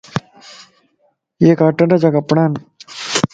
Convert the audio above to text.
يي ڪاٽن جا ڪپڙان